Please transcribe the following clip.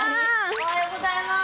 おはようございます！